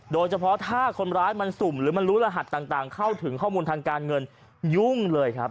โดยเฉพาะถ้าคนร้ายมันสุ่มหรือมันรู้รหัสต่างเข้าถึงข้อมูลทางการเงินยุ่งเลยครับ